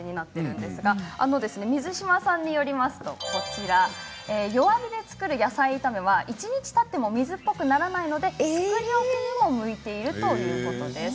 水島さんによりますと弱火で作る野菜炒めは一日たっても水っぽくならないので作り置きにも向いているということです。